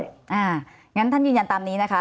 อย่างนั้นท่านยืนยันตามนี้นะคะ